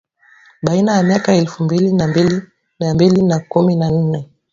Baina ya miaka elfu mbili na mbili na elfu mbili na kumi na nne